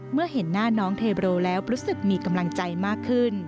เมื่อเห็นหน้าน้องเทโรแล้วรู้สึกมีกำลังใจมากขึ้น